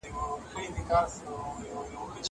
زه اوږده وخت اوبه پاکوم!!